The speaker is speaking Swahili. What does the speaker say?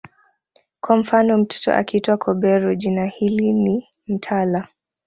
Kwa mfano mtoto akiitwa Kobero jina hili ni mtala